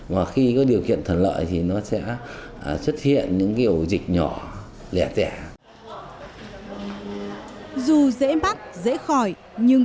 và khi có điều kiện thần lợi thì nó sẽ xuất hiện